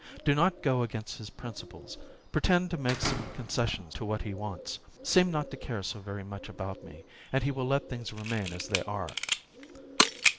Do not go against his principles, pretend to make some concessions to what he wants; seem not to care so very much about me, and he will let things remain as they are.